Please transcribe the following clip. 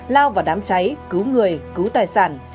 lao vào đám cháy cứu người cứu tài sản